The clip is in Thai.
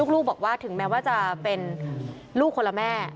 ลูกบอกว่าถึงแม้ว่าจะเป็นลูกคนละแม่